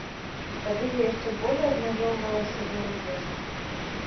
Тады я яшчэ болей абмяжоўвала сябе ў ежы.